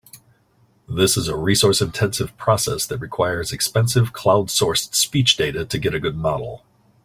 This is a resource-intensive process that requires expensive closed-source speech data to get a good model.